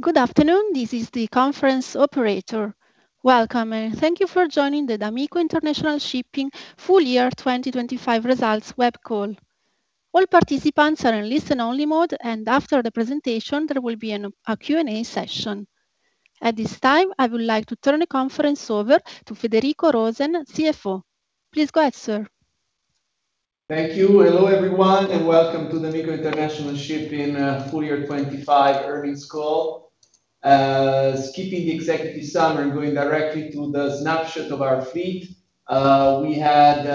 Good afternoon. This is the conference operator. Welcome, and thank you for joining the d'Amico International Shipping full year 2025 results web call. All participants are in listen only mode, and after the presentation there will be a Q&A session. At this time, I would like to turn the conference over to Federico Rosen, CFO. Please go ahead, sir. Thank you. Hello, everyone, and welcome to d'Amico International Shipping full year 2025 earnings call. Skipping the executive summary and going directly to the snapshot of our fleet. We have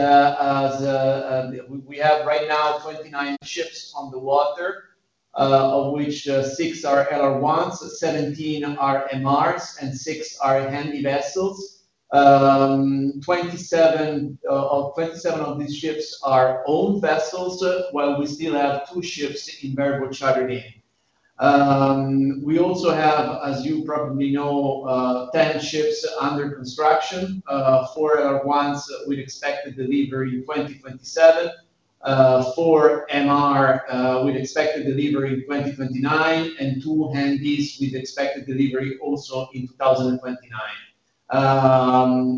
right now 29 ships on the water, of which six are LR1s, 17 are MRs, and six are Handysize vessels. 27 of these ships are owned vessels, while we still have two ships in bareboat chartering. We also have, as you probably know, 10 ships under construction, four LR1s with expected delivery in 2027, four MR with expected delivery in 2029, and two Handys with expected delivery also in 2029.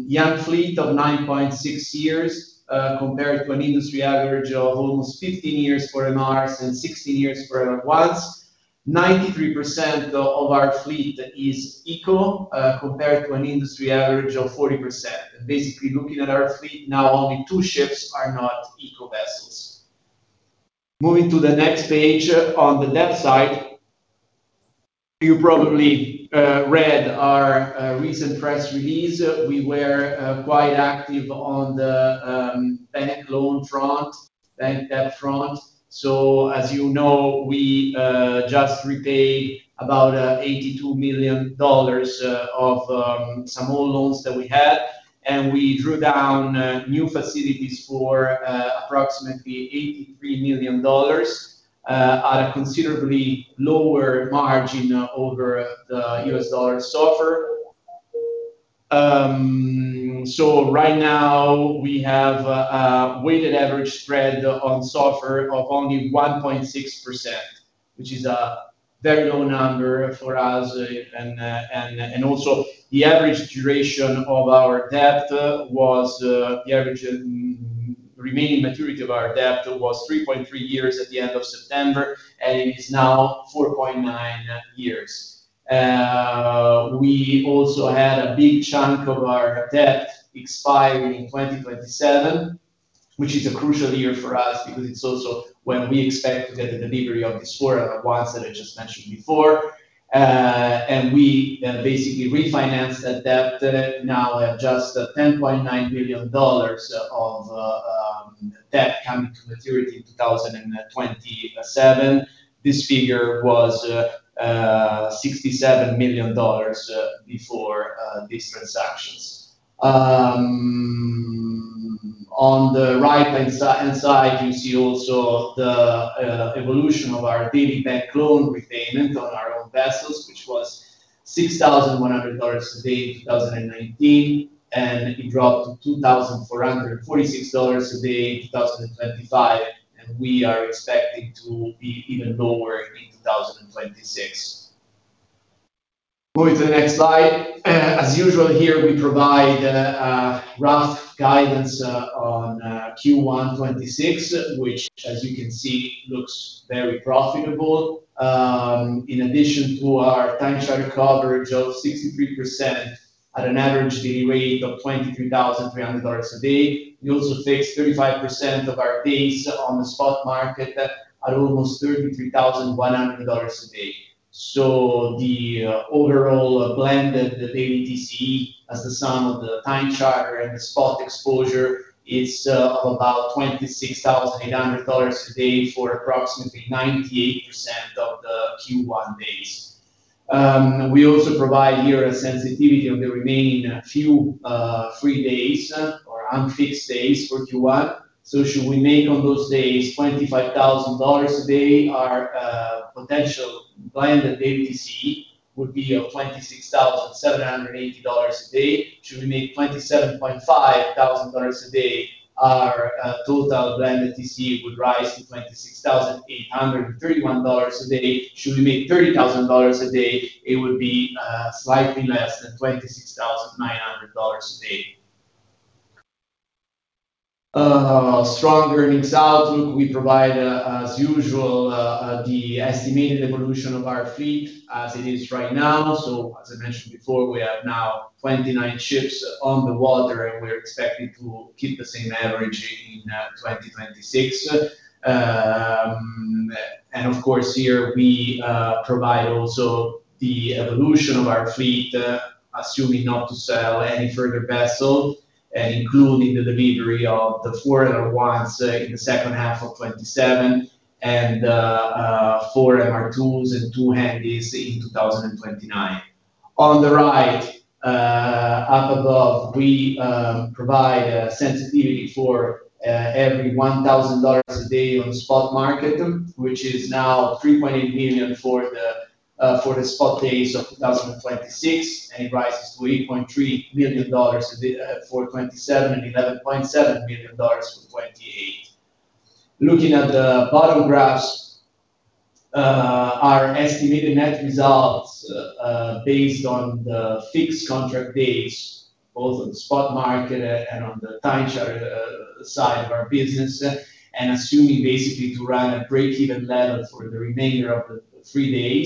Young fleet of 9.6 years, compared to an industry average of almost 15 years for MRs and 16 years for LR1s. 93% of our fleet is eco, compared to an industry average of 40%. Basically, looking at our fleet now, only two ships are not eco vessels. Moving to the next page. On the debt side, you probably read our recent press release. We were quite active on the bank loan front, bank debt front. As you know, we just repaid about $82 million of some old loans that we had, and we drew down new facilities for approximately $83 million at a considerably lower margin over the U.S. dollar SOFR. Right now we have a weighted average spread on SOFR of only 1.6%, which is a very low number for us. Also, the average remaining maturity of our debt was 3.3 years at the end of September, and it is now 4.9 years. We also had a big chunk of our debt expiring in 2027, which is a crucial year for us because it's also when we expect to get the delivery of these four LR1s that I just mentioned before. We then basically refinanced that debt, now at just $10.9 million of debt coming to maturity in 2027. This figure was $67 million before these transactions. On the right hand side, you see also the evolution of our daily bank loan repayment on our own vessels, which was $6,100 a day in 2019, and it dropped to $2,446 a day in 2025. We are expecting to be even lower in 2026. Moving to the next slide. As usual here, we provide rough guidance on Q1 2026, which, as you can see, looks very profitable. In addition to our time charter coverage of 63% at an average daily rate of $23,300 a day, we also fixed 35% of our days on the spot market at almost $33,100 a day. The overall blended daily TCE as the sum of the time charter and the spot exposure is of about $26,800 a day for approximately 98% of the Q1 days. We also provide here a sensitivity of the remaining few free days or unfixed days for Q1. Should we make on those days $25,000 a day our potential blended daily TCE would be $26,780 a day. Should we make $27,500 a day our total blended TCE would rise to $26,831 a day. Should we make $30,000 a day, it would be slightly less than $26,900 a day. Strong earnings outlook. We provide, as usual, the estimated evolution of our fleet as it is right now. As I mentioned before, we have now 29 ships on the water, and we're expecting to keep the same average in 2026. Of course, here we provide also the evolution of our fleet, assuming not to sell any further vessel and including the delivery of the four LR1s in the H2 of 2027 and four MR2s and 2 Handys in 2029. On the right, up above we provide a sensitivity for every $1,000 a day on the spot market, which is now $3.8 million for the spot days of 2026, and it rises to $8.3 million a day for 2027 and $11.7 million for 2028. Looking at the bottom graphs, our estimated net results based on the fixed contract days, both on the spot market and on the time charter side of our business, and assuming basically to run at breakeven level for the remainder of 2023,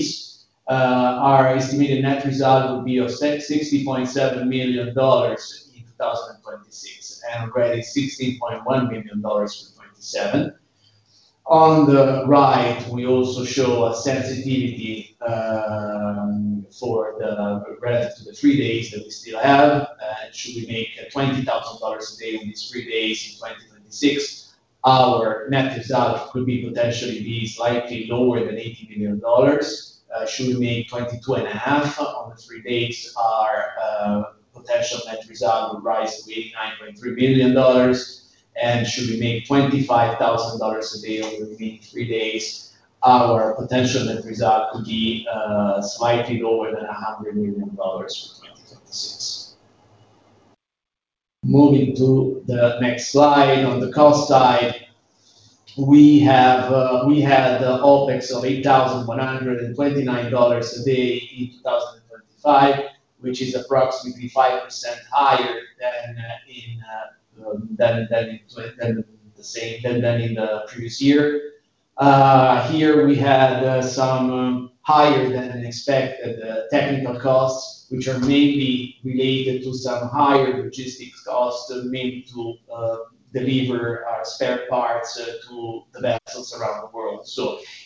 our estimated net result will be $660.7 million in 2026 and already $16.1 million for 2027. On the right, we also show a sensitivity relative to the three days that we still have. Should we make $20,000 a day in these three days in 2026, our net result could potentially be slightly lower than $80 million. Should we make $22,500 a day on the three days, our potential net result would rise to $89.3 million. Should we make $25,000 a day over the remaining three days, our potential net result could be slightly lower than $100 million for 2026. Moving to the next slide, on the cost side, we had OPEX of $8,129 a day in 2025, which is approximately 5% higher than in the previous year. Here we had some higher than expected technical costs, which are mainly related to some higher logistics costs mainly to deliver spare parts to the vessels around the world.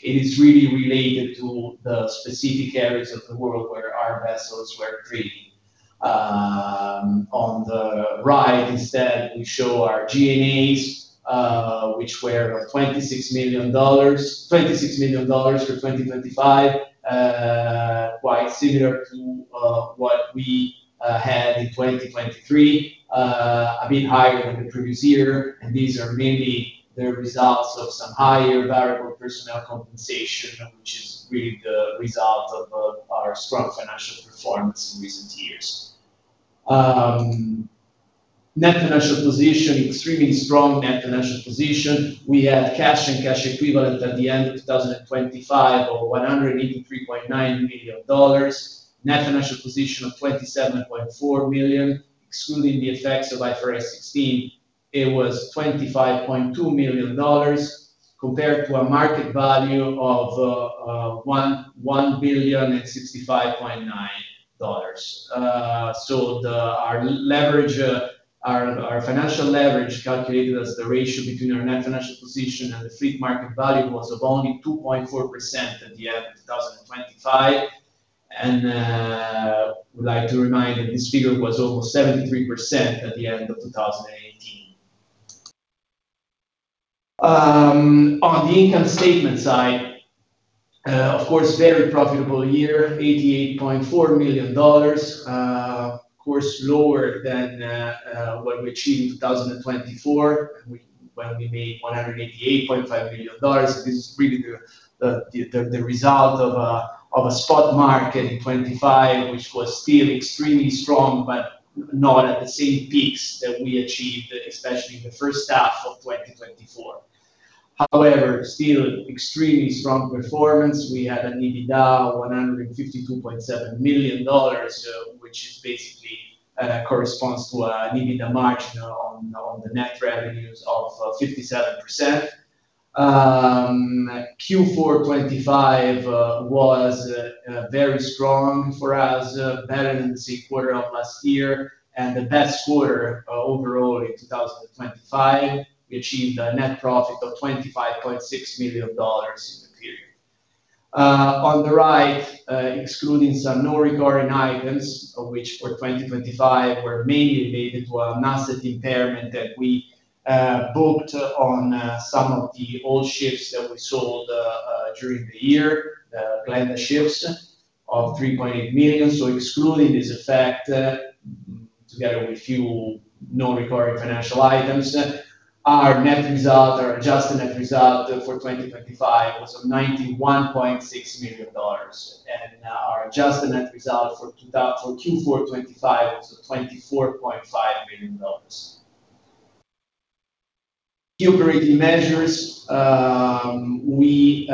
It is really related to the specific areas of the world where our vessels were trading. On the right instead, we show our G&As, which were $26 million for 2025. Quite similar to what we had in 2023. A bit higher than the previous year, and these are mainly the results of some higher variable personnel compensation, which is really the result of our strong financial performance in recent years. Net financial position. Extremely strong net financial position. We had cash and cash equivalents at the end of 2025 of $183.9 million. Net financial position of $27.4 million, excluding the effects of IFRS 16. It was $25.2 million compared to a market value of $1,065.9 million. Our leverage, our financial leverage calculated as the ratio between our net financial position and the fleet market value was of only 2.4% at the end of 2025. I would like to remind that this figure was over 73% at the end of 2018. On the income statement side, of course, very profitable year, $88.4 million. Of course, lower than what we achieved in 2024 when we made $188.5 million. This is really the result of a spot market in 2025, which was still extremely strong, but not at the same peaks that we achieved, especially in the H1 of 2024. However, still extremely strong performance. We had an EBITDA of $152.7 million, which basically corresponds to an EBITDA margin on the net revenues of 57%. Q4 2025 was very strong for us, better than the same quarter of last year and the best quarter overall in 2025. We achieved a net profit of $25.6 million in the period. On the right, excluding some non-recurring items of which for 2025 were mainly related to an asset impairment that we booked on some of the old ships that we sold during the year, the GLENDA ships of $3.8 million. Excluding this effect, together with few non-recurring financial items, our net result, our adjusted net result for 2025 was of $91.6 million. Our adjusted net result for Q4 2025 was of $24.5 million. Key rating measures. We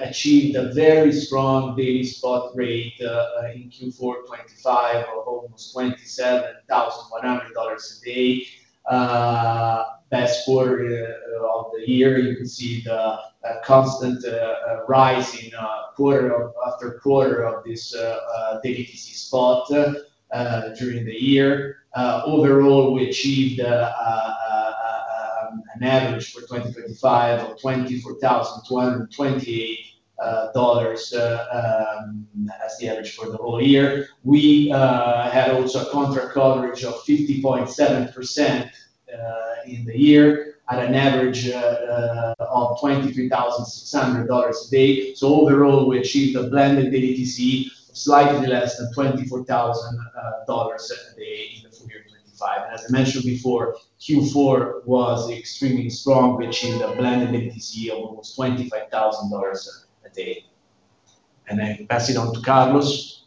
achieved a very strong daily spot rate in Q4 2025 of almost $27,100 a day. Best quarter of the year. You can see the constant rise quarter after quarter of this daily TC spot during the year. Overall, we achieved an average for 2025 of $24,128 as the average for the whole year. We had also a contract coverage of 50.7% in the year at an average of $23,600 a day. Overall, we achieved a blended daily TC of slightly less than $24,000 a day in the full year 2025. As I mentioned before, Q4 was extremely strong. We achieved a blended daily TC of almost $25,000 a day. I pass it on to Carlos.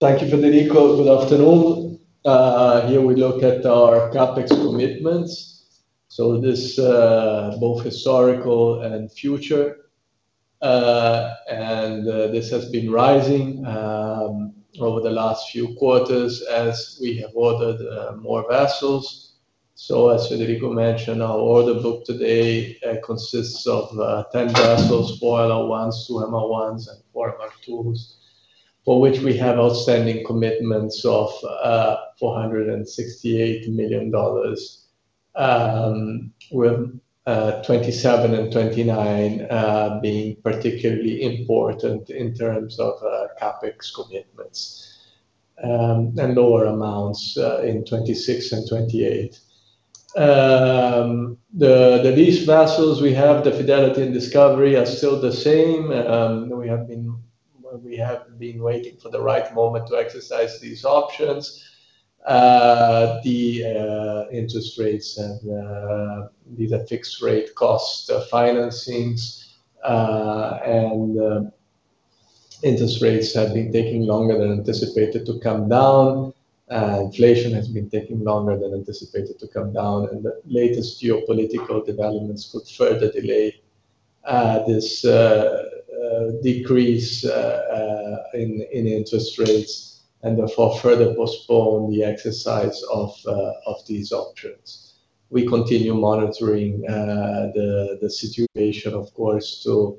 Thank you, Federico. Good afternoon. Here we look at our CapEx commitments, so this both historical and future. This has been rising over the last few quarters as we have ordered more vessels. As Federico mentioned, our order book today consists of 10 vessels, four LR1s, two MR1s, and four MR2s, for which we have outstanding commitments of $468 million, with 2027 and 2029 being particularly important in terms of CapEx commitments, and lower amounts in 2026 and 2028. The lease vessels we have, the High Fidelity and High Discovery, are still the same. We have been waiting for the right moment to exercise these options. The interest rates and these are fixed rate cost financings. Interest rates have been taking longer than anticipated to come down. Inflation has been taking longer than anticipated to come down. The latest geopolitical developments could further delay this decrease in interest rates and therefore further postpone the exercise of these options. We continue monitoring the situation, of course, to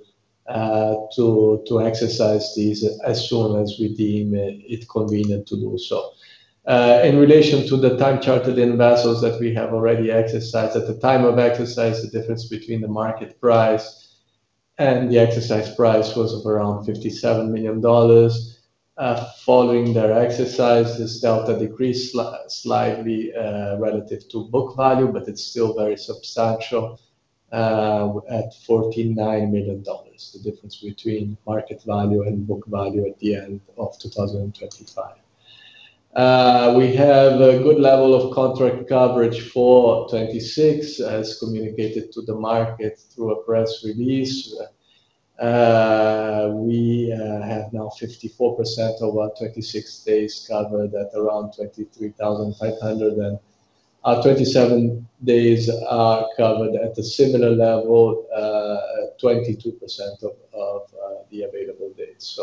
exercise these as soon as we deem it convenient to do so. In relation to the time chartered in vessels that we have already exercised. At the time of exercise, the difference between the market price and the exercise price was of around $57 million. Following their exercise, this delta decreased slightly, relative to book value, but it's still very substantial, at $49 million, the difference between market value and book value at the end of 2025. We have a good level of contract coverage for 2026, as communicated to the market through a press release. We have now 54% of our 2026 days covered at around 23,500. Our 2027 days are covered at a similar level, at 22% of the available dates.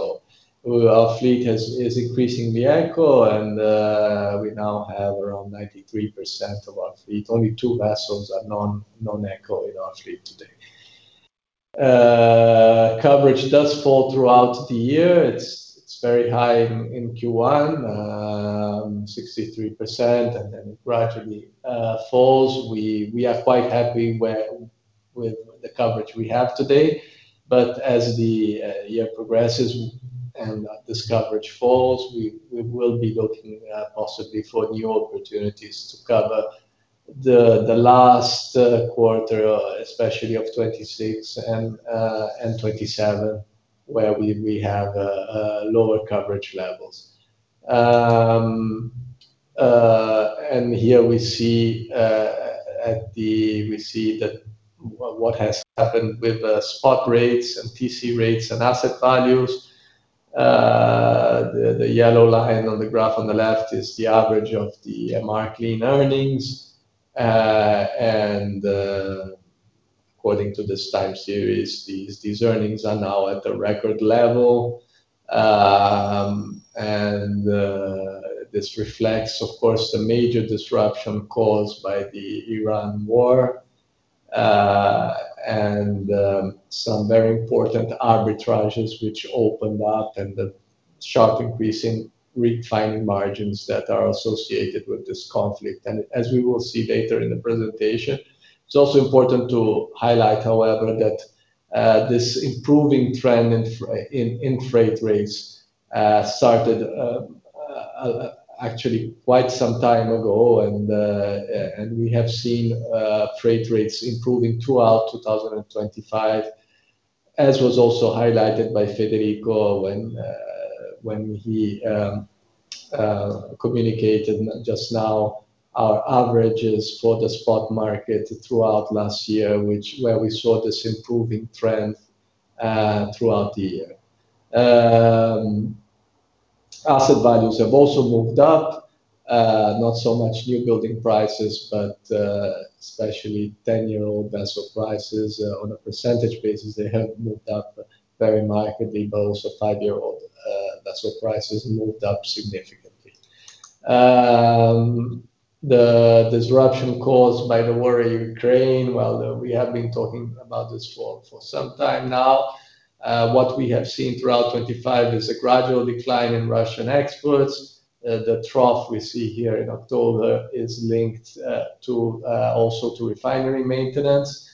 Our fleet is increasing the ECO and we now have around 93% of our fleet. Only two vessels are non-ECO in our fleet today. Coverage does fall throughout the year. It's very high in Q1, 63%, and then it gradually falls. We are quite happy with the coverage we have today. As the year progresses and this coverage falls, we will be looking possibly for new opportunities to cover the last quarter especially of 2026 and 2027, where we have lower coverage levels. Here we see that what has happened with the spot rates and TC rates and asset values. The yellow line on the graph on the left is the average of the MR clean earnings. According to this time series, these earnings are now at a record level. This reflects, of course, the major disruption caused by the Iran war, and some very important arbitrages which opened up and the sharp increase in refining margins that are associated with this conflict. As we will see later in the presentation, it's also important to highlight, however, that this improving trend in freight rates started actually quite some time ago. We have seen freight rates improving throughout 2025, as was also highlighted by Federico when he communicated just now our averages for the spot market throughout last year, where we saw this improving trend throughout the year. Asset values have also moved up, not so much new building prices, but especially 10-year-old vessel prices. On a percentage basis, they have moved up very markedly. Also five-year-old vessel prices moved up significantly. The disruption caused by the war in Ukraine, well, we have been talking about this for some time now. What we have seen throughout 2025 is a gradual decline in Russian exports. The trough we see here in October is linked also to refinery maintenance.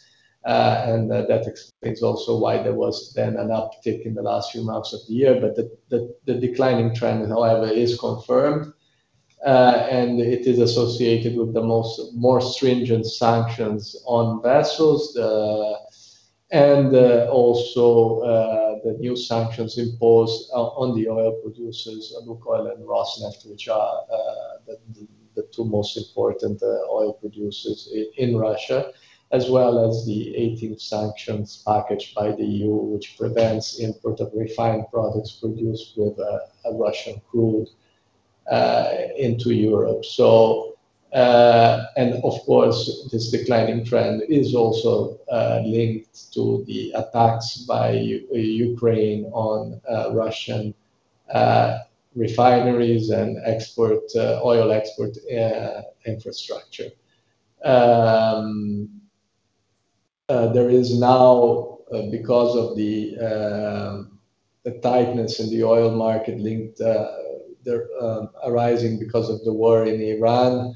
That explains also why there was then an uptick in the last few months of the year. The declining trend, however, is confirmed. It is associated with more stringent sanctions on vessels. Also, the new sanctions imposed on the oil producers LUKOIL and Rosneft, which are the two most important oil producers in Russia, as well as the 18th sanctions package by the EU, which prevents import of refined products produced with Russian crude into Europe. Of course, this declining trend is also linked to the attacks by Ukraine on Russian refineries and oil export infrastructure. There is now, because of the tightness in the oil market linked to the arising because of the war in Iran,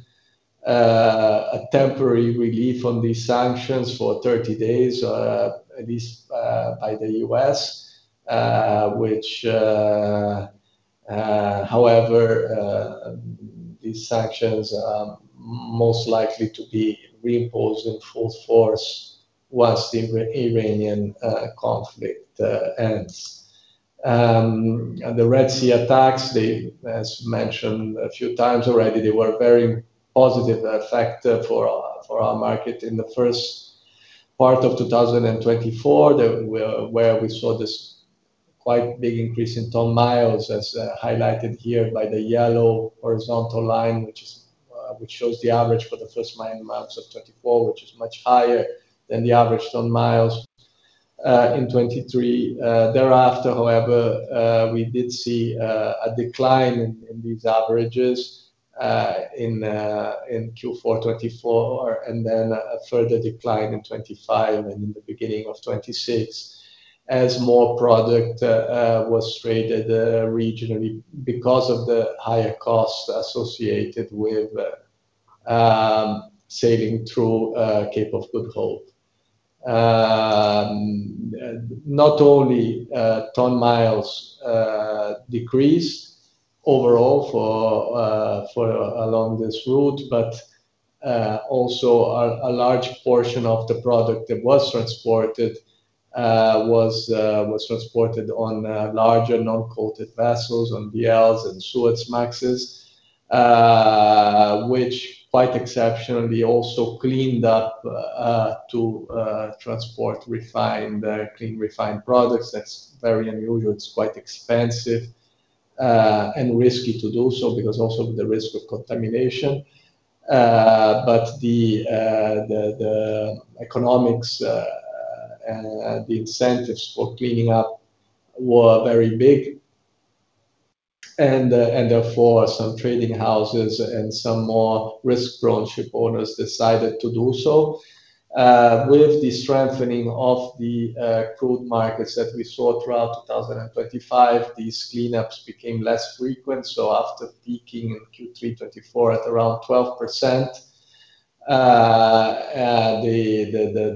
a temporary relief on these sanctions for 30 days, at least, by the U.S., which, however, these sanctions are most likely to be reimposed in full force once the Iranian conflict ends. The Red Sea attacks, as mentioned a few times already, were a very positive effect for our market in the first part of 2024, where we saw this quite big increase in ton-miles as highlighted here by the yellow horizontal line, which shows the average for the first nine months of 2024, which is much higher than the average ton-miles in 2023. Thereafter, however, we did see a decline in these averages in Q4 2024, and then a further decline in 2025 and in the beginning of 2026 as more product was traded regionally because of the higher cost associated with sailing through Cape of Good Hope. Not only ton-miles decreased overall for along this route, but also a large portion of the product that was transported was transported on larger non-coated vessels on VLs and Suezmaxes, which quite exceptionally also cleaned up to transport clean refined products. That's very unusual. It's quite expensive and risky to do so because also the risk of contamination. The economics and the incentives for cleaning up were very big and therefore some trading houses and some more risk-prone ship owners decided to do so. With the strengthening of the crude markets that we saw throughout 2025, these cleanups became less frequent. After peaking in Q3 2024 at around 12%,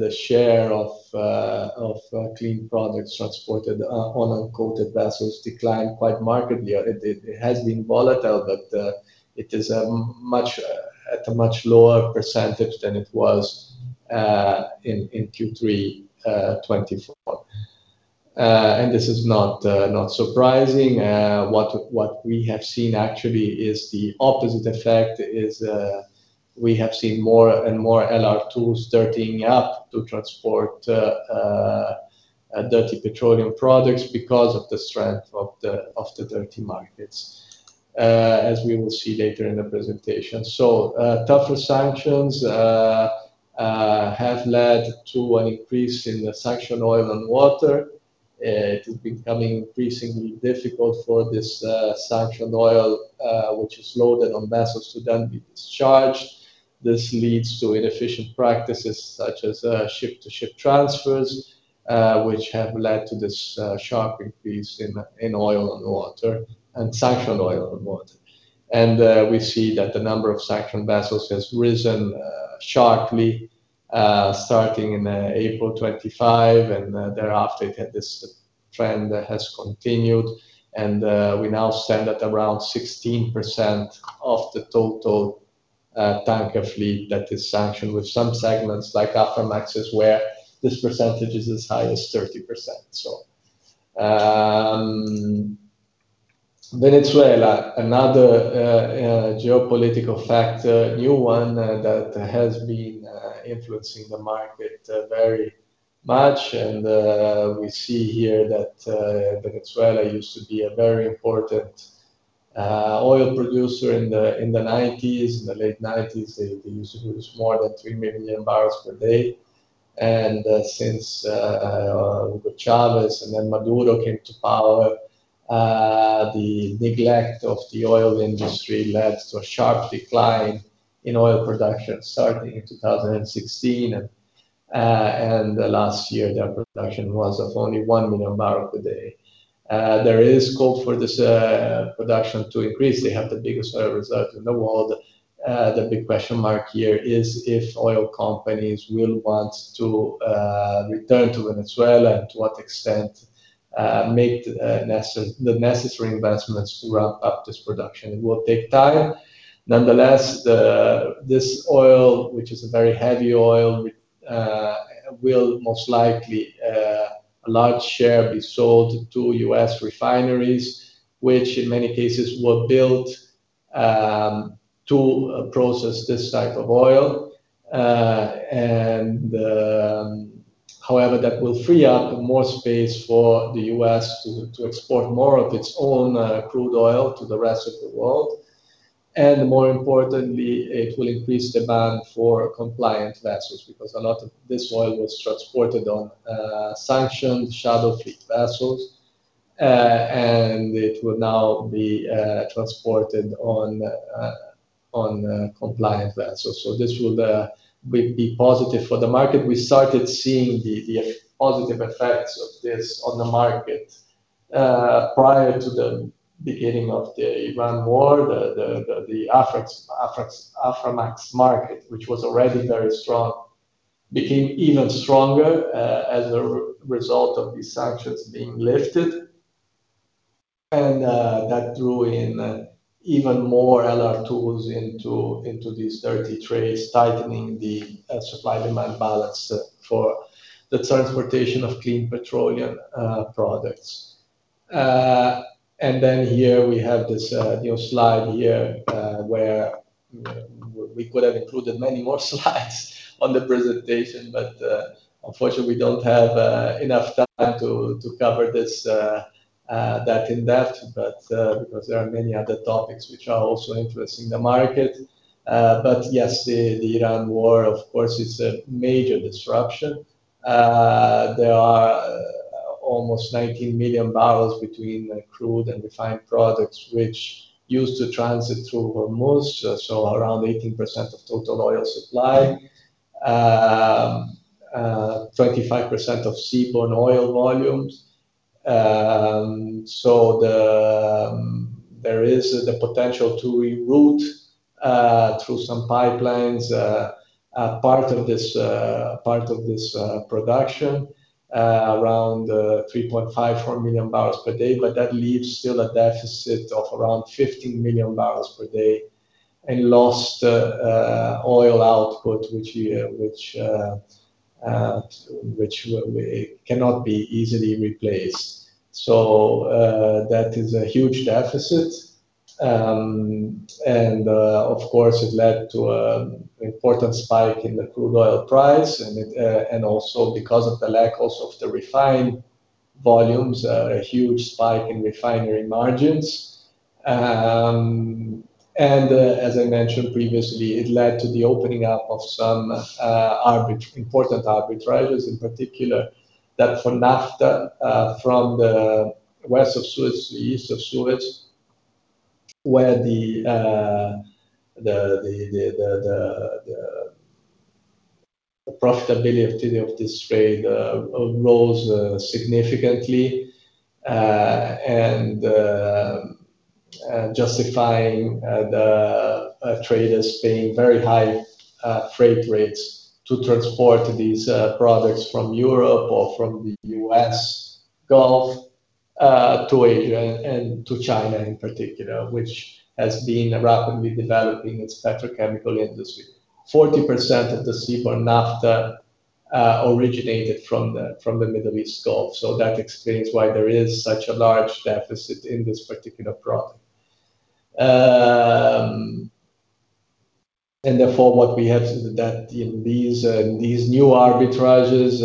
the share of clean products transported on uncoated vessels declined quite markedly. It has been volatile, but it is at a much lower percentage than it was in Q3 2024. This is not surprising. What we have seen actually is the opposite effect. We have seen more and more LR2s dirtying up to transport dirty petroleum products because of the strength of the dirty markets, as we will see later in the presentation. Tougher sanctions have led to an increase in the sanctioned oil on water. It is becoming increasingly difficult for this sanctioned oil, which is loaded on vessels, to then be discharged. This leads to inefficient practices such as ship-to-ship transfers, which have led to this sharp increase in oil on water and sanctioned oil on water. We see that the number of sanctioned vessels has risen sharply starting in April 2025, and thereafter this trend has continued and we now stand at around 16% of the total tanker fleet that is sanctioned with some segments like Aframaxes where this percentage is as high as 30%. Venezuela, another geopolitical factor, a new one, that has been influencing the market very much. We see here that Venezuela used to be a very important oil producer in the 1990s. In the late 1990s, they used to produce more than 3 million barrels per day. Since Hugo Chavez and then Maduro came to power, the neglect of the oil industry led to a sharp decline in oil production starting in 2016. Last year, their production was only 1 million barrels per day. There is hope for this production to increase. They have the biggest oil reserves in the world. The big question mark here is if oil companies will want to return to Venezuela and to what extent make the necessary investments to ramp up this production. It will take time. Nonetheless, this oil, which is a very heavy oil, will most likely a large share be sold to U.S. refineries, which in many cases were built to process this type of oil. However, that will free up more space for the U.S. to export more of its own crude oil to the rest of the world. More importantly, it will increase demand for compliant vessels, because a lot of this oil was transported on sanctioned shadow fleet vessels. It will now be transported on compliant vessels. This will be positive for the market. We started seeing the positive effects of this on the market. Prior to the beginning of the Iran war, the Aframax market, which was already very strong, became even stronger as a result of these sanctions being lifted. That drew in even more LR2s into these dirty trades, tightening the supply-demand balance for the transportation of clean petroleum products. here we have this, you know, slide here, where we could have included many more slides on the presentation, but unfortunately, we don't have enough time to cover this that in-depth. Because there are many other topics which are also influencing the market. Yes, the Iran war, of course, is a major disruption. There are almost 19 million barrels between crude and refined products which used to transit through Hormuz, so around 18% of total oil supply. 25% of seaborne oil volumes. There is the potential to reroute through some pipelines a part of this production. Around 3.5-4 million barrels per day, but that leaves still a deficit of around 15 million barrels per day and lost oil output which we cannot be easily replaced. That is a huge deficit. Of course, it led to important spike in the crude oil price, and it and also because of the lack also of the refined volumes a huge spike in refinery margins. As I mentioned previously, it led to the opening up of some arbitrage, important arbitrages, in particular that for naphtha from the West of Suez to East of Suez, where the profitability of this trade rose significantly. Justifying the traders paying very high freight rates to transport these products from Europe or from the U.S. Gulf to Asia and to China in particular, which has been rapidly developing its petrochemical industry. 40% of the seaborne naphtha originated from the Middle East Gulf, so that explains why there is such a large deficit in this particular product. Therefore, what we have that in these new arbitrages,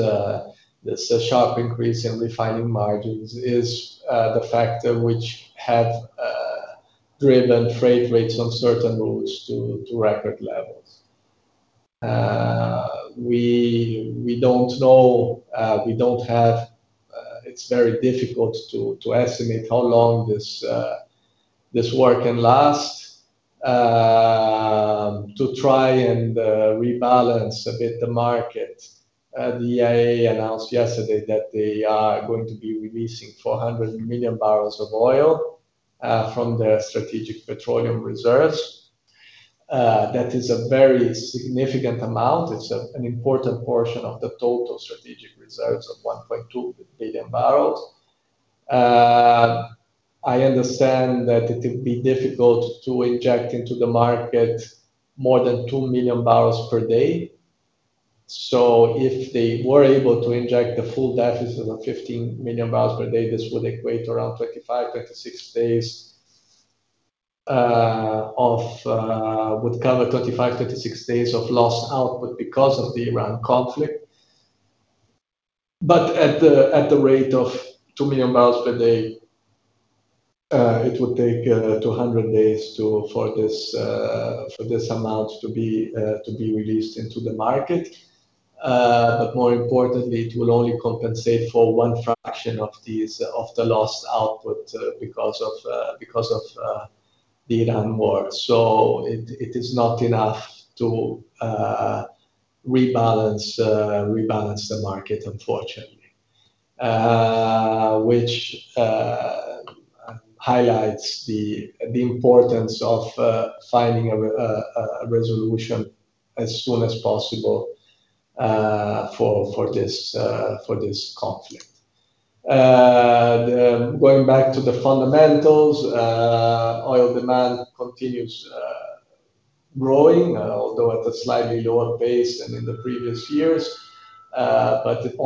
this sharp increase in refining margins is the factor which have driven freight rates on certain routes to record levels. We don't know, we don't have, it's very difficult to estimate how long this war can last, to try and rebalance a bit the market. The EIA announced yesterday that they are going to be releasing 400 million barrels of oil from their strategic petroleum reserves. That is a very significant amount. It's an important portion of the total strategic reserves of 1.2 billion barrels. I understand that it would be difficult to inject into the market more than 2 million barrels per day. If they were able to inject the full deficit of 15 million barrels per day, this would cover 25-26 days of lost output because of the Iran conflict. At the rate of 2 million barrels per day, it would take 200 days for this amount to be released into the market. More importantly, it will only compensate for one fraction of these, of the lost output, because of the Iran war. It is not enough to rebalance the market, unfortunately. Which highlights the importance of finding a resolution as soon as possible for this conflict. Going back to the fundamentals, oil demand continues growing, although at a slightly lower pace than in the previous years, but it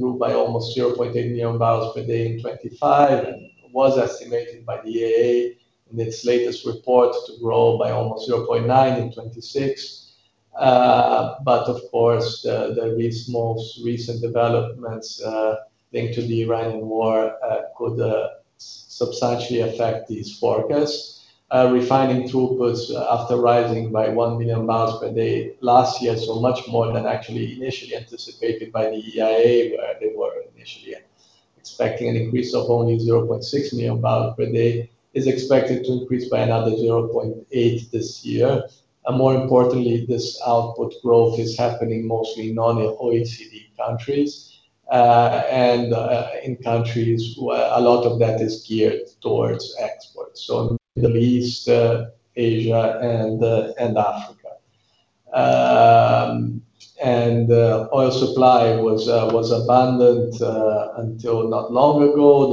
grew by almost 0.8 million barrels per day in 2025, and was estimated by the IEA in its latest report to grow by almost 0.9 in 2026. Of course, the most recent developments linked to the Iranian war could substantially affect these forecasts. Refining throughputs after rising by 1 million barrels per day last year, so much more than actually initially anticipated by the EIA, where they were initially expecting an increase of only 0.6 million barrels per day, is expected to increase by another 0.8 this year. More importantly, this output growth is happening mostly in non-OECD countries, and in countries where a lot of that is geared towards exports, so Middle East, Asia, and Africa. Oil supply was abundant until not long ago.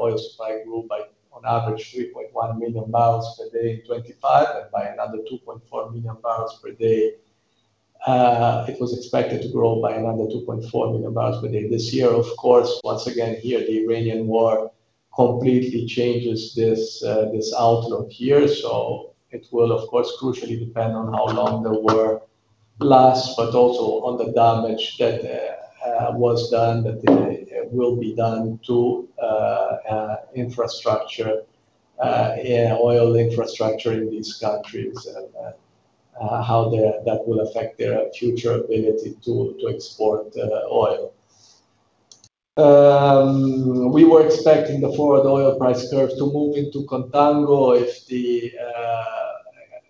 Oil supply grew by on average 3.1 million barrels per day in 2025, and by another 2.4 million barrels per day. It was expected to grow by another 2.4 million barrels per day this year. Of course, once again here, the Iranian war completely changes this outlook here, so it will, of course, crucially depend on how long the war lasts, but also on the damage that will be done to infrastructure, oil infrastructure in these countries, how that will affect their future ability to export oil. We were expecting the forward oil price curve to move into contango if the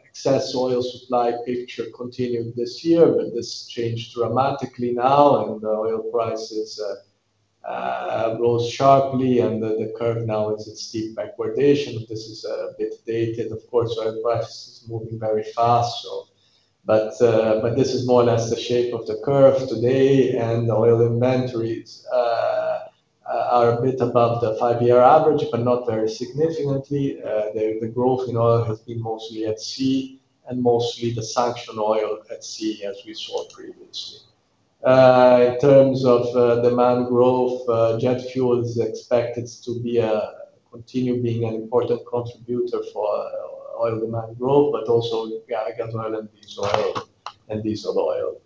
excess oil supply picture continued this year, but this changed dramatically now, and oil prices rose sharply, and the curve now is in steep backwardation. This is a bit dated, of course. Oil price is moving very fast, so. This is more or less the shape of the curve today, and oil inventories are a bit above the five-year average, but not very significantly. The growth in oil has been mostly at sea, and mostly the sanctioned oil at sea, as we saw previously. In terms of demand growth, jet fuel is expected to continue being an important contributor for oil demand growth, but also aviation oil and diesel oil.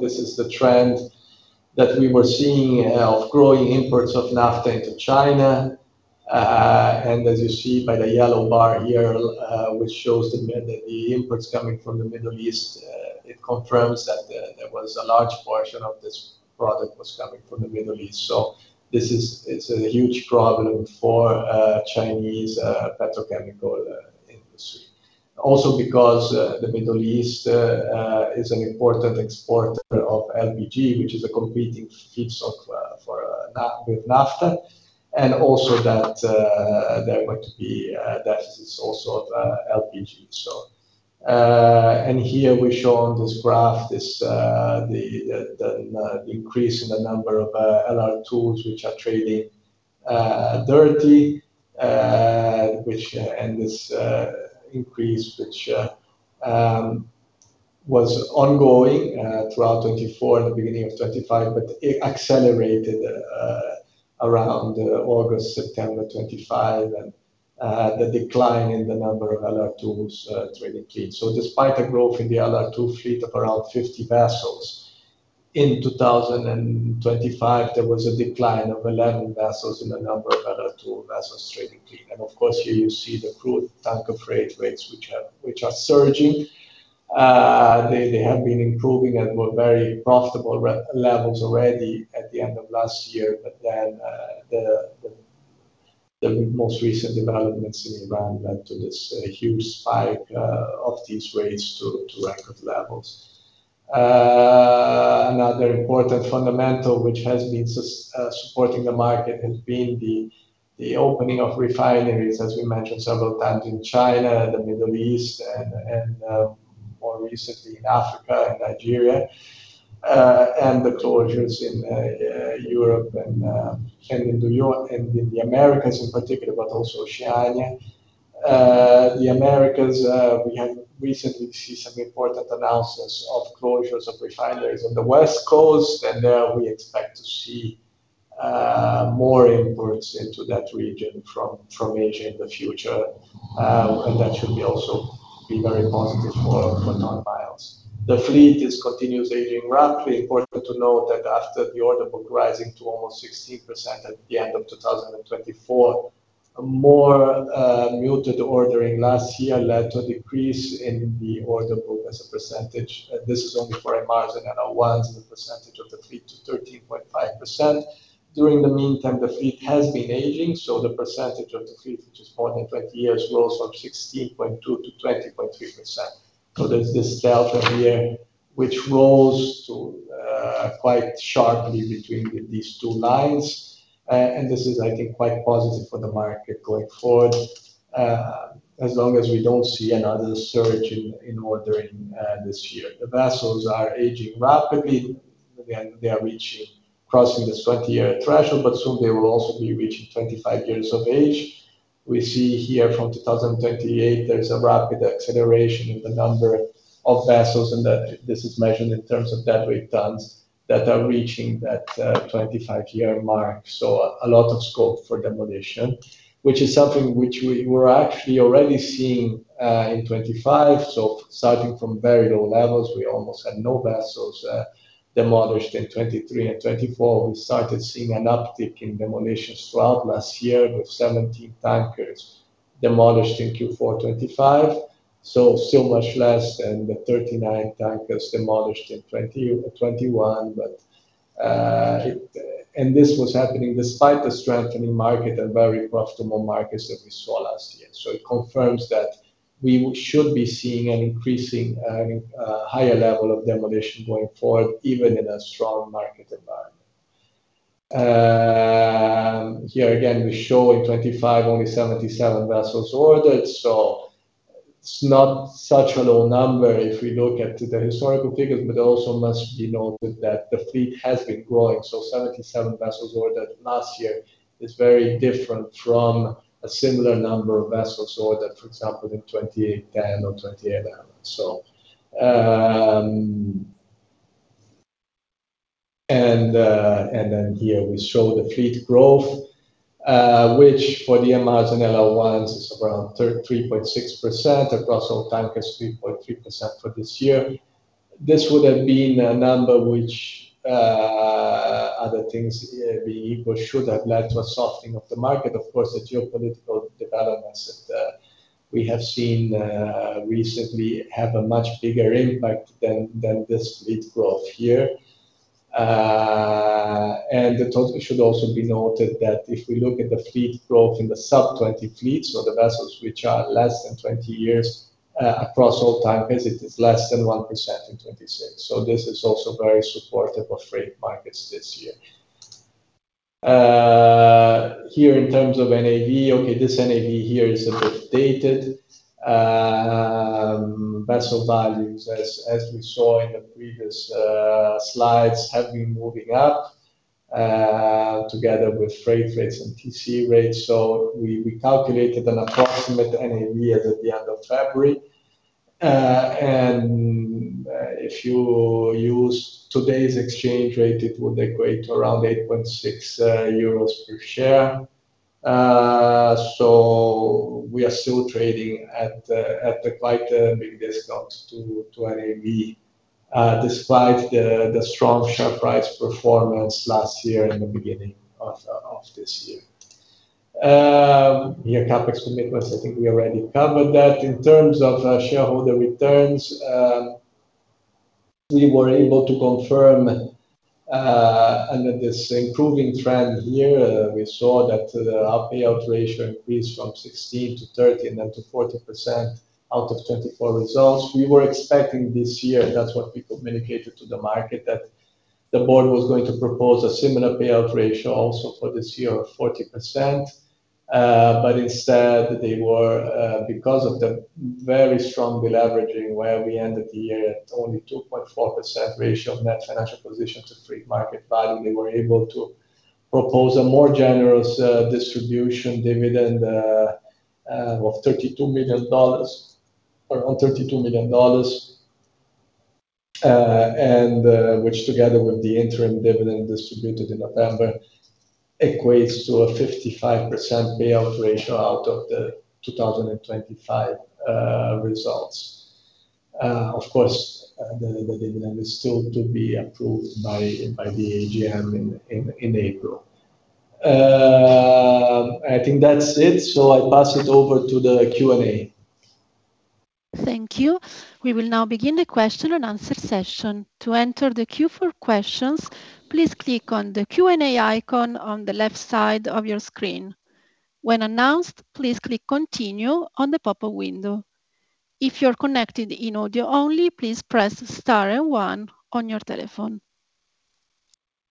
This is the trend that we were seeing of growing imports of naphtha into China. As you see by the yellow bar here, which shows the imports coming from the Middle East, it confirms that there was a large portion of this product was coming from the Middle East. This is a huge problem for Chinese petrochemical industry. Also because the Middle East is an important exporter of LPG, which is a competing feedstock for naphtha, and also that there are going to be deficits also of LPG. Here we show on this graph the increase in the number of LR2s which are trading dirty, and this increase was ongoing throughout 2024 and the beginning of 2025, but it accelerated around August, September 2025, and the decline in the number of LR2s trading clean. Despite a growth in the LR2 fleet of around 50 vessels in 2025, there was a decline of 11 vessels in the number of LR2 vessels trading clean. Of course, here you see the crude tanker freight rates which are surging. They have been improving and were very profitable rate levels already at the end of last year. The most recent developments in Iran led to this huge spike of these rates to record levels. Another important fundamental which has been supporting the market has been the opening of refineries, as we mentioned several times, in China and the Middle East and more recently in Africa and Nigeria, and the closures in Europe and in the Americas in particular, but also Oceania. The Americas, we have recently seen some important announcements of closures of refineries on the West Coast, and we expect to see more imports into that region from Asia in the future, and that should also be very positive for non-bios. The fleet is continuously aging rapidly. Important to note that after the order book rising to almost 16% at the end of 2024, a more muted ordering last year led to a decrease in the order book as a percentage. This is only for MRs and LR1s, the percentage of the fleet to 13.5%. During the meantime, the fleet has been aging, so the percentage of the fleet which is more than 20 years rose from 16.2%-20.3%. There's this delta here which rose quite sharply between these two lines. This is, I think, quite positive for the market going forward, as long as we don't see another surge in ordering this year. The vessels are aging rapidly. They are reaching, crossing this 20-year threshold, but soon they will also be reaching 25 years of age. We see here from 2028, there is a rapid acceleration in the number of vessels, and that this is measured in terms of deadweight tons that are reaching that, 25-year mark. A lot of scope for demolition, which is something which we're actually already seeing, in 2025. Starting from very low levels, we almost had no vessels, demolished in 2023 and 2024. We started seeing an uptick in demolitions throughout last year, with 17 tankers demolished in Q4 2025. Much less than the 39 tankers demolished in 2021. This was happening despite the strengthening market and very profitable markets that we saw last year. It confirms that we should be seeing an increasing higher level of demolition going forward, even in a strong market environment. Here again, we show in 25 only 77 vessels ordered. It's not such a low number if we look at the historical figures, but it also must be noted that the fleet has been growing. 77 vessels ordered last year is very different from a similar number of vessels ordered, for example, in 2010 or 2011. Then here we show the fleet growth, which for the MRs and LR1s is around 3.6%. Across all tankers, 3.3% for this year. This would have been a number which, other things being equal, should have led to a softening of the market. Of course, the geopolitical developments that we have seen recently have a much bigger impact than this fleet growth here. It should also be noted that if we look at the fleet growth in the sub 20 fleets, so the vessels which are less than 20 years, across all tankers, it is less than 1% in 2026. This is also very supportive of freight markets this year. Here in terms of NAV. Okay, this NAV here is a bit dated. Vessel values, as we saw in the previous slides, have been moving up together with freight rates and TC rates. We calculated an approximate NAV as at the end of February. If you use today's exchange rate, it would equate to around 8.6 euros per share. We are still trading at quite a big discount to NAV, despite the strong share price performance last year and the beginning of this year. CapEx commitments, I think we already covered that. In terms of shareholder returns, we were able to confirm, under this improving trend here, we saw that our payout ratio increased from 16%-30% then to 40% out of 2024 results. We were expecting this year, that's what we communicated to the market, that the board was going to propose a similar payout ratio also for this year of 40%. Instead they were, because of the very strong deleveraging, where we ended the year at only 2.4% ratio of net financial position to free market value, they were able to propose a more generous, distribution dividend, of $32 million or around $32 million. Which together with the interim dividend distributed in November, equates to a 55% payout ratio out of the 2025 results. Of course, the dividend is still to be approved by the AGM in April. I think that's it. I pass it over to the Q&A. Thank you. We will now begin the question and answer session. To enter the queue for questions, please click on the Q&A icon on the left side of your screen. When announced, please click Continue on the pop-up window. If you're connected in audio only, please press star and one on your telephone.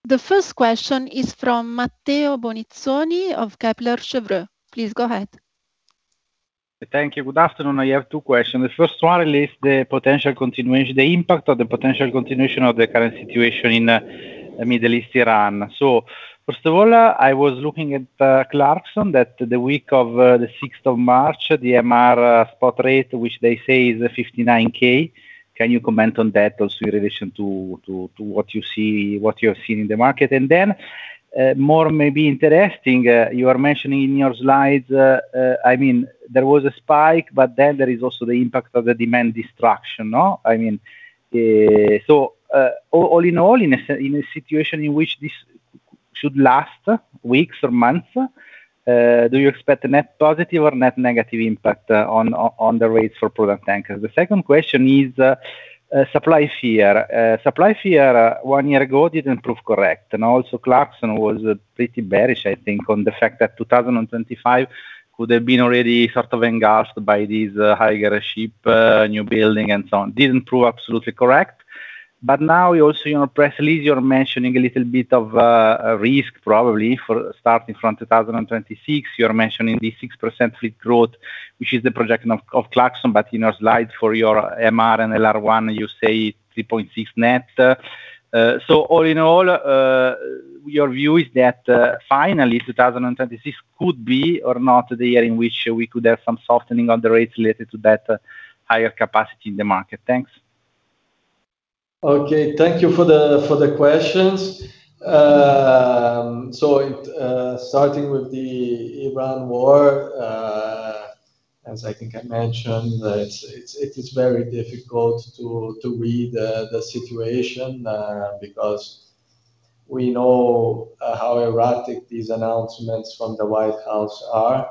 The first question is from Matteo Bonizzoni of Kepler Cheuvreux. Please go ahead. Thank you. Good afternoon. I have two questions. The first one relates to the impact of the potential continuation of the current situation in Middle East Iran. First of all, I was looking at Clarksons that the week of the sixth of March, the MR spot rate, which they say is $59K. Can you comment on that also in relation to what you see, what you're seeing in the market? Then, more maybe interesting, you are mentioning in your slides, I mean, there was a spike, but then there is also the impact of the demand destruction. No? I mean, so, all in all, in a situation in which this should last weeks or months, do you expect a net positive or net negative impact on the rates for product tankers? The second question is, supply fear one year ago didn't prove correct, and also Clarksons was pretty bearish, I think, on the fact that 2025 could have been already sort of engulfed by these higher ship newbuilding and so on. Didn't prove absolutely correct. Now you also, in your press release, you're mentioning a little bit of a risk probably for starting from 2026. You're mentioning the 6% fleet growth, which is the projection of Clarksons. In your slide for your MR and LR1, you say 3.6 net. All in all, your view is that, finally 2026 could be or not the year in which we could have some softening of the rates related to that higher capacity in the market. Thanks. Okay. Thank you for the questions. Starting with the Iran war, as I think I mentioned, it is very difficult to read the situation because we know how erratic these announcements from the White House are.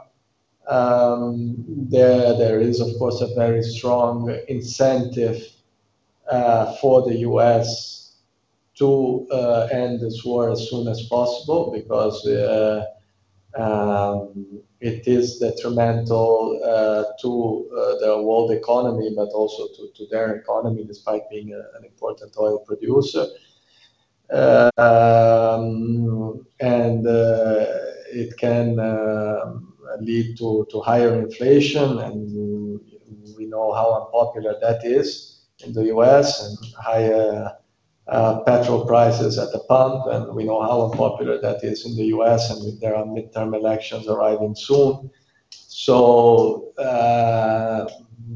There is, of course, a very strong incentive for the U.S. to end this war as soon as possible because it is detrimental to the world economy, but also to their economy, despite being an important oil producer. It can lead to higher inflation. We know how unpopular that is in the U.S. Higher petrol prices at the pump, and we know how unpopular that is in the U.S., and there are midterm elections arriving soon.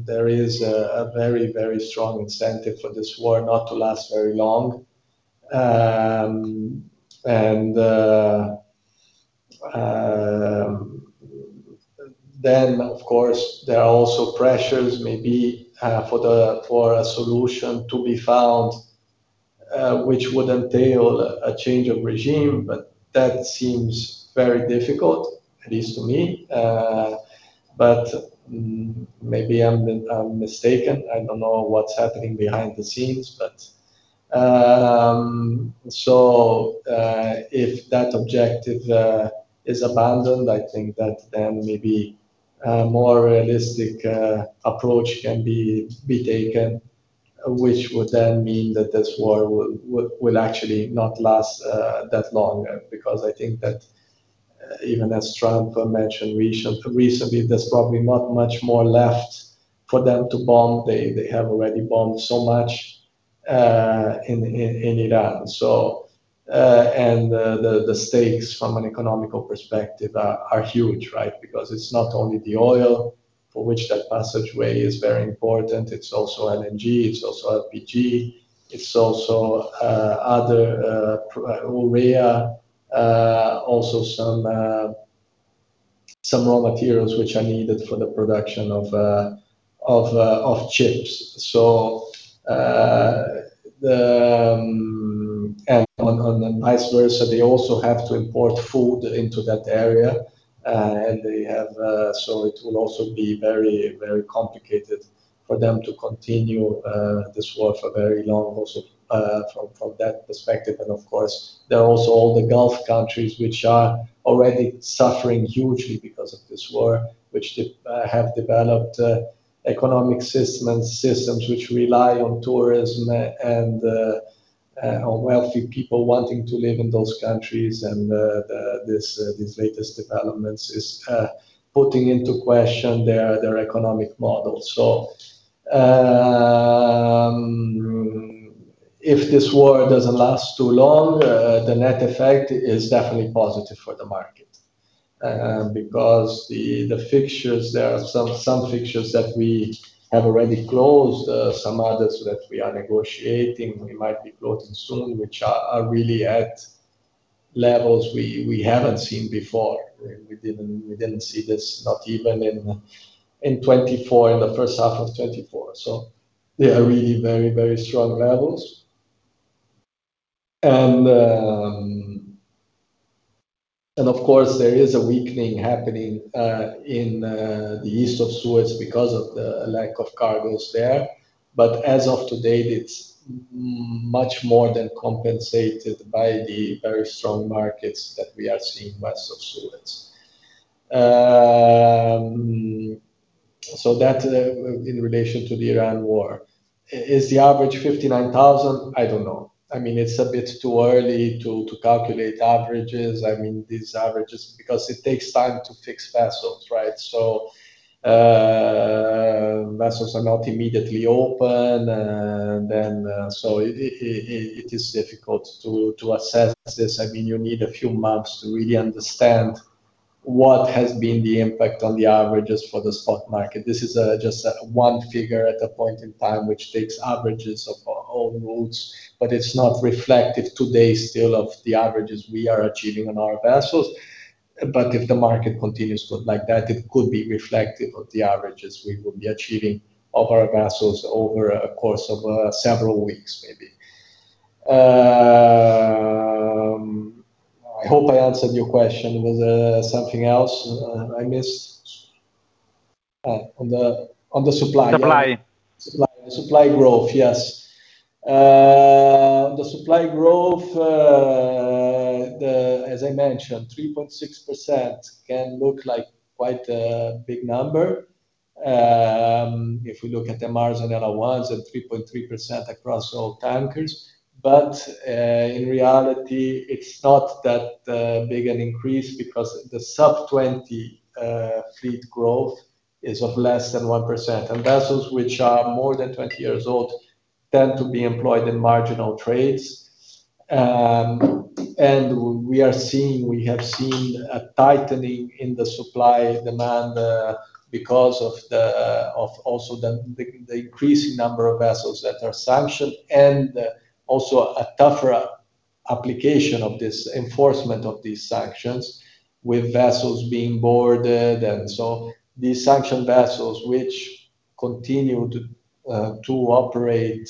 There is a very strong incentive for this war not to last very long. Then of course, there are also pressures maybe for a solution to be found, which would entail a change of regime, but that seems very difficult, at least to me. But maybe I'm mistaken. I don't know what's happening behind the scenes. If that objective is abandoned, I think that then maybe a more realistic approach can be taken, which would then mean that this war will actually not last that long. Because I think that even as Trump mentioned recently, there's probably not much more left for them to bomb. They have already bombed so much in Iran. The stakes from an economic perspective are huge, right? Because it's not only the oil for which that passageway is very important, it's also LNG, it's also LPG, it's also other urea. Also some raw materials which are needed for the production of chips. And vice versa, they also have to import food into that area. It will also be very complicated for them to continue this war for very long also from that perspective. Of course, there are also all the Gulf countries which are already suffering hugely because of this war, which have developed economic system and systems which rely on tourism and on wealthy people wanting to live in those countries. These latest developments is putting into question their economic model. If this war doesn't last too long, the net effect is definitely positive for the market because the fixtures, there are some fixtures that we have already closed, some others that we are negotiating, we might be closing soon, which are really at levels we haven't seen before. We didn't see this, not even in 2024, in the H1 of 2024. They are really very, very strong levels. Of course, there is a weakening happening in the East of Suez because of the lack of cargoes there. As of today, it's much more than compensated by the very strong markets that we are seeing West of Suez. That in relation to the Iran war. Is the average $59,000? I don't know. I mean, it's a bit too early to calculate averages. I mean, these averages because it takes time to fix vessels, right? Vessels are not immediately open. And then, it is difficult to assess this. I mean, you need a few months to really understand what has been the impact on the averages for the spot market. This is just one figure at a point in time which takes averages of our own routes, but it's not reflective today still of the averages we are achieving on our vessels. If the market continues to look like that, it could be reflective of the averages we will be achieving of our vessels over a course of several weeks, maybe. I hope I answered your question. Was there something else I missed? Oh, on the supply. Supply. Supply. Supply growth. Yes. The supply growth, as I mentioned, 3.6% can look like quite a big number, if we look at the MRs and LR1s and 3.3% across all tankers. In reality, it's not that big an increase because the sub-20 fleet growth is of less than 1%. Vessels which are more than 20 years old tend to be employed in marginal trades. We have seen a tightening in the supply-demand because of also the increasing number of vessels that are sanctioned and also a tougher application of this enforcement of these sanctions, with vessels being boarded. These sanctioned vessels, which continued to operate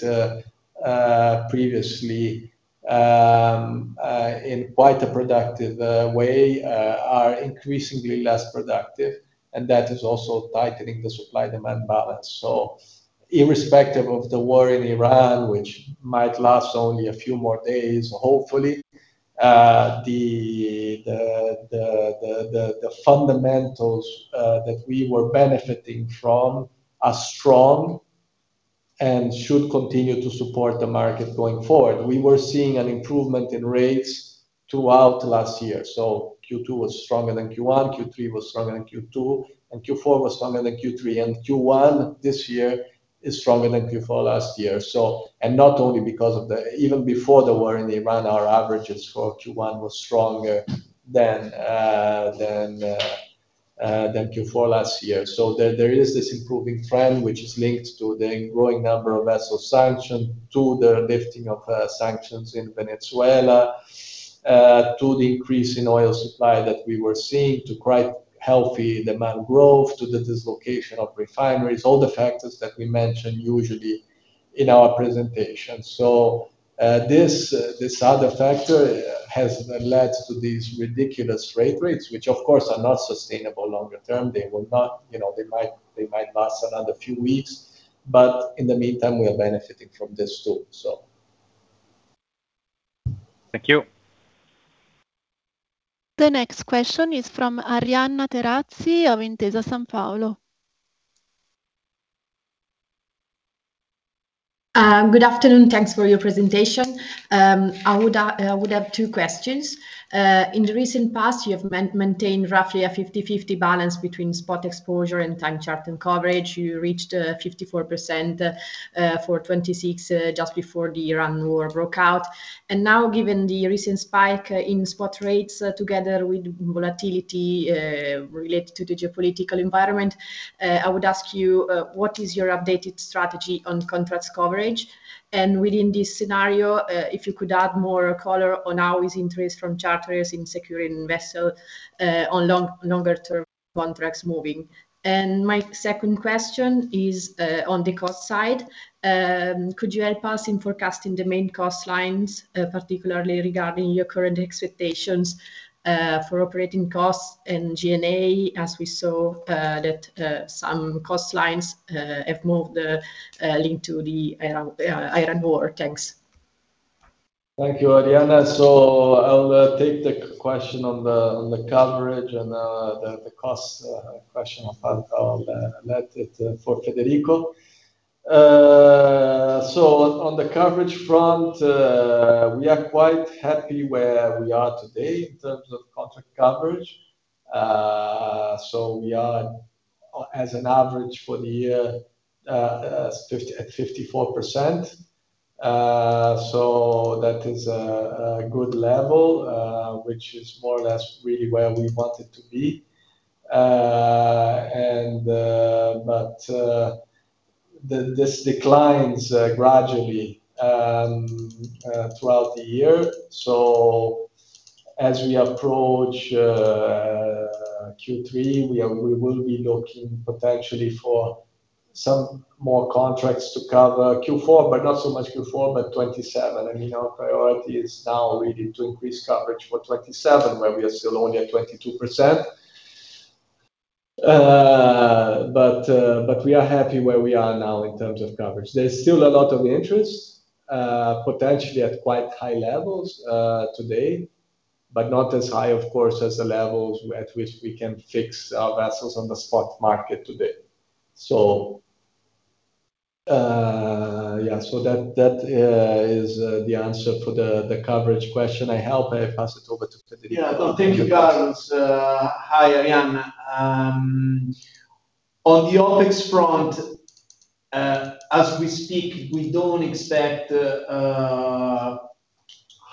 previously in quite a productive way, are increasingly less productive, and that is also tightening the supply-demand balance. Irrespective of the war in Ukraine, which might last only a few more days, hopefully, the fundamentals that we were benefiting from are strong and should continue to support the market going forward. We were seeing an improvement in rates throughout last year, so Q2 was stronger than Q1, Q3 was stronger than Q2, and Q4 was stronger than Q3, and Q1 this year is stronger than Q4 last year. Even before the war in Ukraine, our averages for Q1 was stronger than Q4 last year. There is this improving trend which is linked to the growing number of vessels sanctioned, to the lifting of sanctions in Venezuela, to the increase in oil supply that we were seeing, to quite healthy demand growth, to the dislocation of refineries, all the factors that we mention usually in our presentation. This other factor has led to these ridiculous rates, which of course are not sustainable longer term. You know, they might last another few weeks, but in the meantime we are benefiting from this too. Thank you. The next question is from Arianna Terazzi of Intesa Sanpaolo. Good afternoon. Thanks for your presentation. I would have two questions. In the recent past, you have maintained roughly a 50/50 balance between spot exposure and time charter coverage. You reached 54% for 2026 just before the Iran war broke out. Now, given the recent spike in spot rates together with volatility related to the geopolitical environment, I would ask you what is your updated strategy on contracts coverage. Within this scenario, if you could add more color on how is interest from charterers in securing vessel on longer term contracts moving. My second question is on the cost side. Could you help us in forecasting the main cost lines, particularly regarding your current expectations for operating costs and G&A, as we saw that some cost lines have moved, linked to the Iran war. Thanks. Thank you, Arianna. I'll take the question on the coverage and the cost question. I'll leave it for Federico. On the coverage front, we are quite happy where we are today in terms of contract coverage. We are on average for the year at 54%. That is a good level, which is more or less really where we want it to be. But this declines gradually throughout the year. As we approach Q3, we will be looking potentially for some more contracts to cover Q4, but not so much Q4, but 2027. I mean, our priority is now really to increase coverage for 2027, where we are still only at 22%. We are happy where we are now in terms of coverage. There's still a lot of interest, potentially at quite high levels today, but not as high, of course, as the levels at which we can fix our vessels on the spot market today. That is the answer for the coverage question, I hope. I pass it over to Federico. Yeah. No, thank you, Carlos. Hi, Arianna. On the OpEx front, as we speak, we don't expect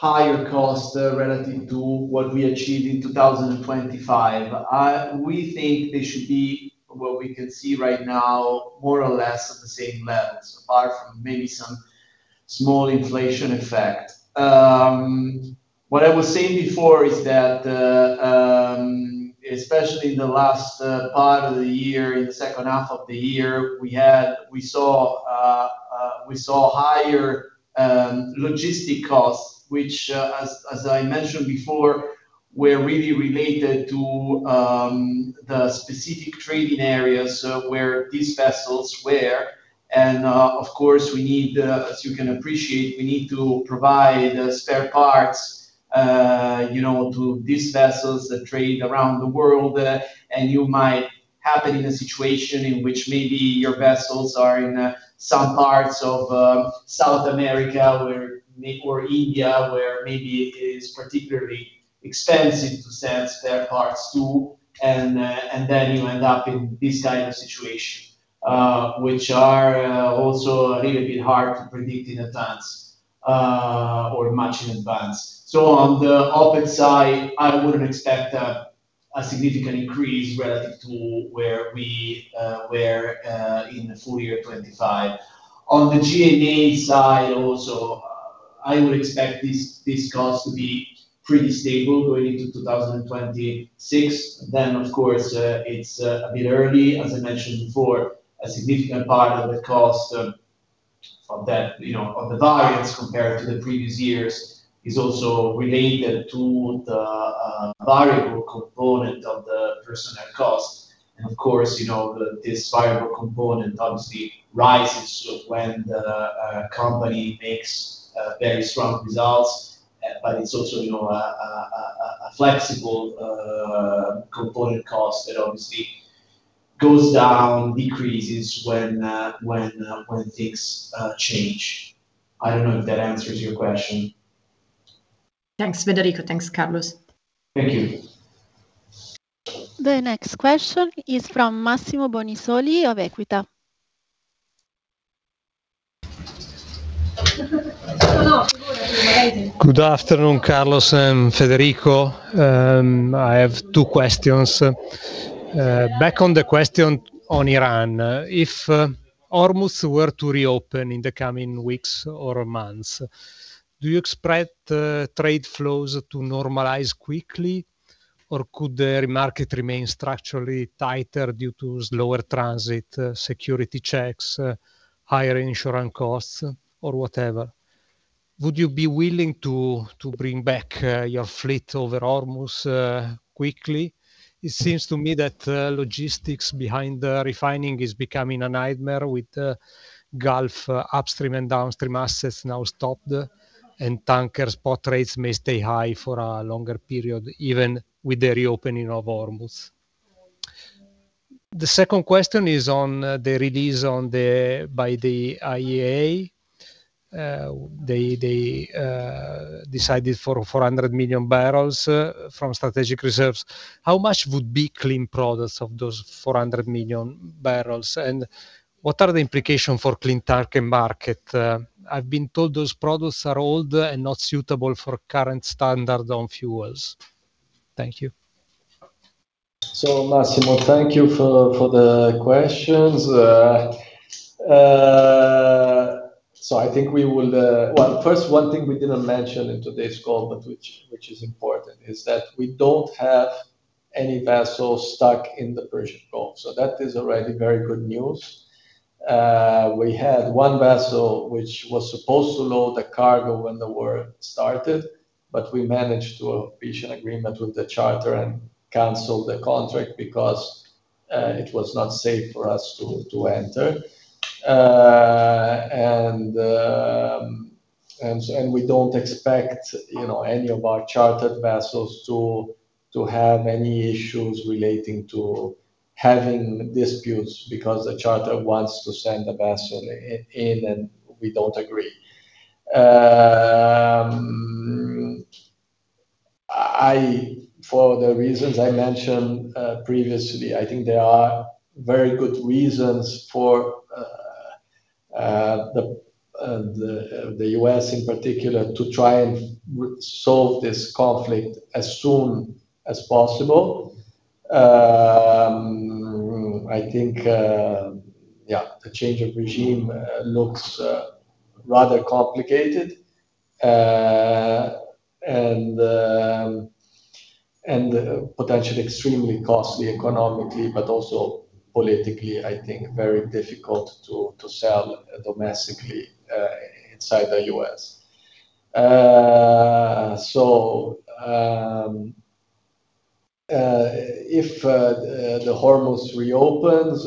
higher costs relative to what we achieved in 2025. We think they should be what we can see right now, more or less at the same levels, apart from maybe some small inflation effect. What I was saying before is that, especially in the last part of the year, in the H2 of the year, we saw higher logistic costs, which, as I mentioned before, were really related to the specific trading areas where these vessels were. Of course, we need, as you can appreciate, we need to provide spare parts. You know, to these vessels that trade around the world, and you might happen in a situation in which maybe your vessels are in some parts of South America or India, where maybe it is particularly expensive to send spare parts to. And then you end up in this kind of situation, which are also a little bit hard to predict in advance or much in advance. On the OpEx side, I wouldn't expect a significant increase relative to where we were in full year 2025. On the G&A side also, I would expect these costs to be pretty stable going into 2026. Of course, it's a bit early. As I mentioned before, a significant part of the cost, you know, of the variance compared to the previous years is also related to the variable component of the personnel cost. Of course, you know, this variable component obviously rises when the company makes very strong results. But it's also, you know, a flexible component cost that obviously goes down, decreases when things change. I don't know if that answers your question. Thanks, Federico. Thanks, Carlos. Thank you. The next question is from Massimo Bonisoli of Equita. Good afternoon, Carlos and Federico. I have two questions. Back on the question on Iran, if Hormuz were to reopen in the coming weeks or months, do you expect trade flows to normalize quickly, or could the market remain structurally tighter due to slower transit, security checks, higher insurance costs or whatever? Would you be willing to bring back your fleet over Hormuz quickly? It seems to me that logistics behind the refining is becoming a nightmare with Gulf upstream and downstream assets now stopped, and tanker spot rates may stay high for a longer period, even with the reopening of Hormuz. The second question is on the release by the IEA. They decided for 400 million barrels from strategic reserves. How much would be clean products of those 400 million barrels, and what are the implications for clean tanker market? I've been told those products are old and not suitable for current standard on fuels. Thank you. Massimo, thank you for the questions. I think we will. Well, first one thing we didn't mention in today's call, but which is important, is that we don't have any vessels stuck in the Persian Gulf. That is already very good news. We had one vessel which was supposed to load the cargo when the war started, but we managed to reach an agreement with the charter and cancel the contract because it was not safe for us to enter. And we don't expect, you know, any of our chartered vessels to have any issues relating to having disputes because the charter wants to send the vessel in, and we don't agree. For the reasons I mentioned previously, I think there are very good reasons for the U.S. in particular to try and resolve this conflict as soon as possible. I think the change of regime looks rather complicated. Potentially extremely costly economically, but also politically, I think very difficult to sell domestically inside the U.S. If the Hormuz reopens,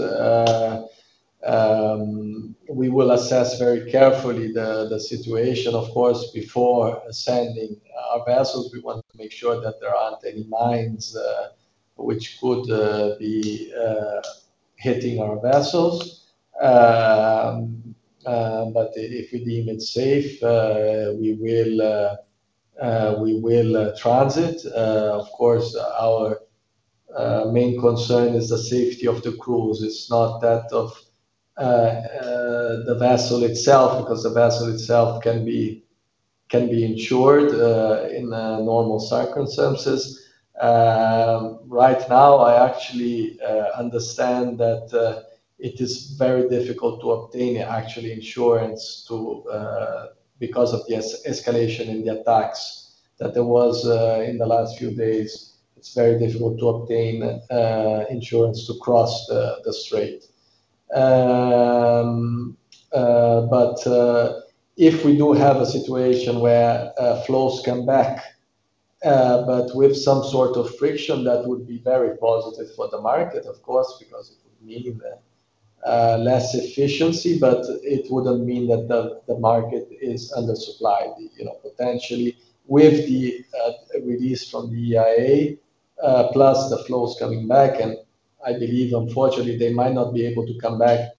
we will assess very carefully the situation, of course, before sending our vessels. We want to make sure that there aren't any mines which could be hitting our vessels. If we deem it safe, we will transit. Of course, our main concern is the safety of the crews. It's not that of the vessel itself, because the vessel itself can be insured in normal circumstances. Right now, I actually understand that it is very difficult to obtain insurance, too, because of the escalation in the attacks that there was in the last few days. It's very difficult to obtain insurance to cross the strait. If we do have a situation where flows come back but with some sort of friction, that would be very positive for the market, of course, because it would mean that less efficiency, but it wouldn't mean that the market is undersupplied. You know, potentially with the release from the IEA, plus the flows coming back, and I believe unfortunately they might not be able to come back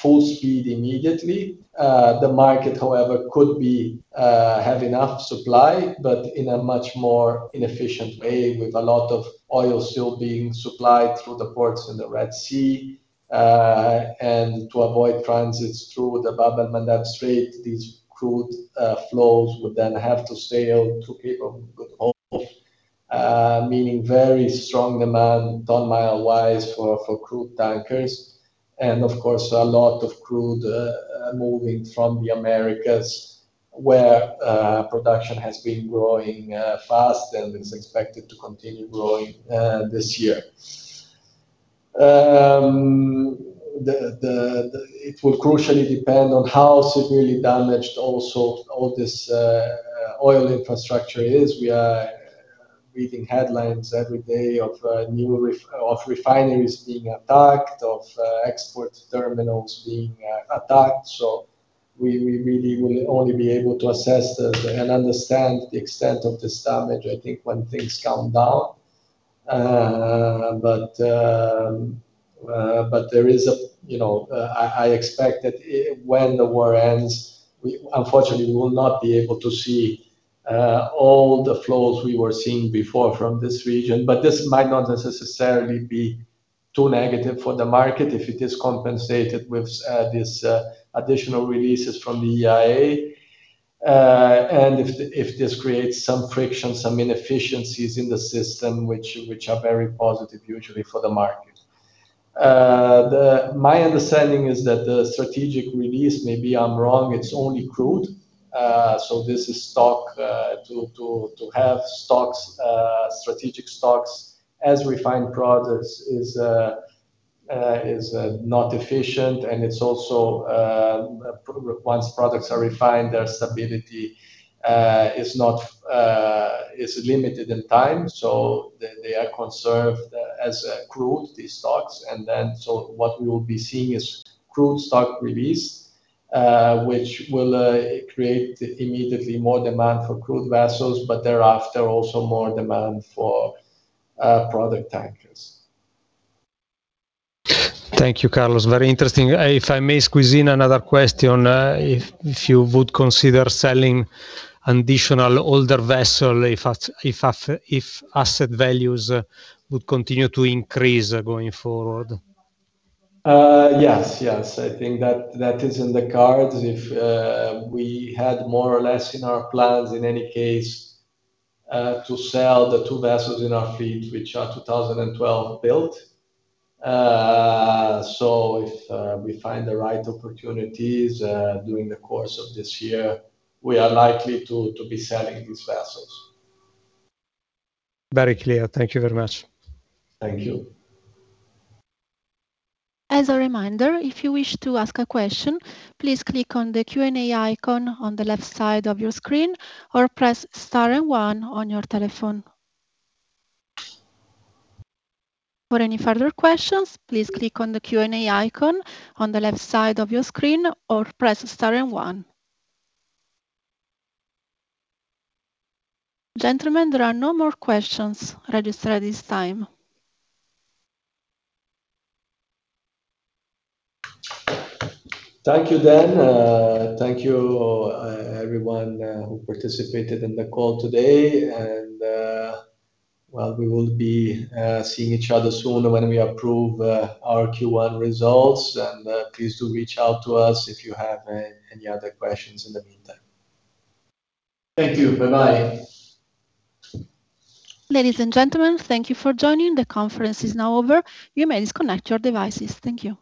full speed immediately. The market however could have enough supply, but in a much more inefficient way with a lot of oil still being supplied through the ports in the Red Sea. To avoid transits through the Bab el-Mandeb Strait, these crude flows would then have to sail to Cape of Good Hope. Meaning very strong demand ton-mile-wise for crude tankers and of course a lot of crude moving from the Americas where production has been growing fast and is expected to continue growing this year. It will crucially depend on how severely damaged also all this oil infrastructure is. We are reading headlines every day of refineries being attacked, of export terminals being attacked. We really will only be able to assess and understand the extent of this damage, I think, when things calm down. I expect that when the war ends, we unfortunately will not be able to see all the flows we were seeing before from this region. This might not necessarily be too negative for the market if it is compensated with these additional releases from the IEA. If this creates some friction, some inefficiencies in the system which are very positive usually for the market. My understanding is that the strategic release, maybe I'm wrong, it's only crude. This is to have stocks, strategic stocks as refined products is not efficient, and it's also once products are refined, their stability is limited in time, so they are conserved as a crude, these stocks. What we will be seeing is crude stock release, which will create immediately more demand for crude vessels, but thereafter also more demand for product tankers. Thank you, Carlos. Very interesting. If I may squeeze in another question, if you would consider selling additional older vessel if asset values would continue to increase going forward? Yes. I think that is in the cards if we had more or less in our plans in any case to sell the two vessels in our fleet, which are 2012 built. If we find the right opportunities during the course of this year, we are likely to be selling these vessels. Very clear. Thank you very much. Thank you. As a reminder, if you wish to ask a question, please click on the Q&A icon on the left side of your screen or press star and one on your telephone. For any further questions, please click on the Q&A icon on the left side of your screen or press star and one. Gentlemen, there are no more questions registered at this time. Thank you, Dan. Thank you, everyone, who participated in the call today. Well, we will be seeing each other soon when we approve our Q1 results. Please do reach out to us if you have any other questions in the meantime. Thank you. Bye-bye. Ladies and gentlemen, thank you for joining. The conference is now over. You may disconnect your devices. Thank you.